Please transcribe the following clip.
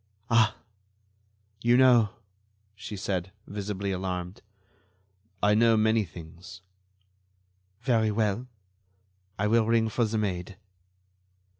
"Ah! you know...." she said, visibly alarmed. "I know many things." "Very well. I will ring for the maid."